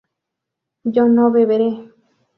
¿yo no beberé?